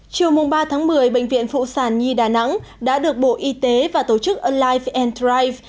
chiều ba một mươi bệnh viện phụ sản nhi đà nẵng đã được bộ y tế và tổ chức alive and thrive